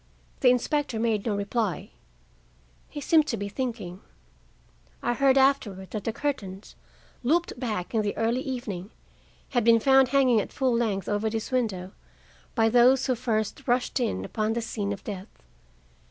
The inspector made no reply. He seemed to be thinking. I heard afterward that the curtains, looped back in the early evening, had been found hanging at full length over this window by those who first rushed in upon the scene of death.